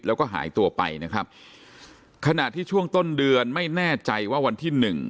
แล้วก็หายตัวไปนะครับขณะที่ช่วงต้นเดือนไม่แน่ใจว่าวันที่หนึ่ง